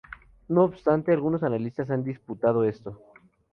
No obstante, algunos analistas han disputado esto.